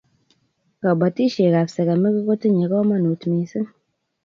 Kobotisietab sekemik kotinyei komonut missing